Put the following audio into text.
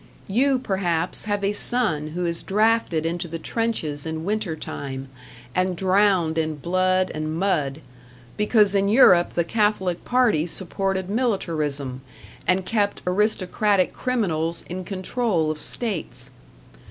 You, perhaps, have a son who is drafted into the trenches in winter time, and drowned in blood and mud, because in Europe the Catholic party supported militarism, and kept aristocratic criminals in control of states.